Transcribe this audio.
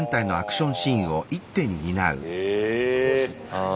ああ。